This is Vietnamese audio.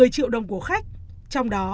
một mươi triệu đồng của khách trong đó